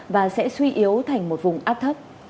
và sẽ suy yếu thành một vùng áp thấp